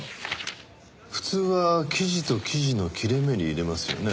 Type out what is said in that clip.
普通は記事と記事の切れ目に入れますよね。